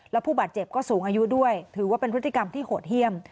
แล้วผู้บาดเจ็บก็สูงอายุด้วยถือว่าเป็นพฤติกรรมที่โหดเยี่ยม